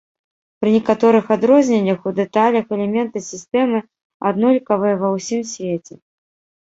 Пры некаторых адрозненнях у дэталях, элементы сістэмы аднолькавыя ва ўсім свеце.